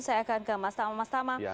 saya akan ke mas tama mas tama